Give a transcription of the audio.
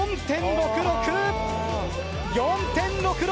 ４．６６。